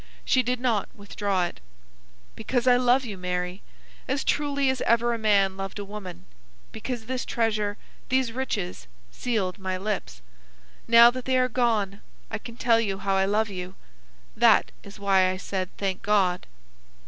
She did not withdraw it. "Because I love you, Mary, as truly as ever a man loved a woman. Because this treasure, these riches, sealed my lips. Now that they are gone I can tell you how I love you. That is why I said, 'Thank God.